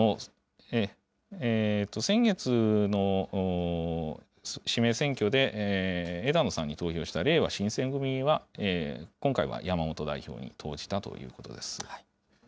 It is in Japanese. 先月の指名選挙で、枝野さんに投票したれいわ新選組は、今回は山本代表に投じたということです。